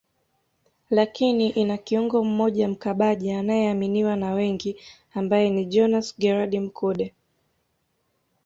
lakini ina kiungo mmoja mkabaji anayeaminiwa na wengi ambaye ni Jonas Gerald Mkude